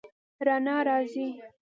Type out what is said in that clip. رڼا راځي